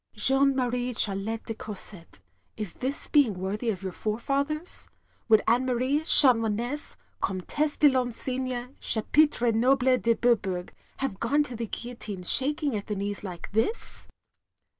... Jeanne — ^Marie — Charlotte de Courset, is this being worthy of yotir forefathers? ... Wotdd Anne Marie, Chanoinesse, Comtesse de I'insigne chapitre noble de Bourbourg, have gone to the guillotine shaking at the knees like this?"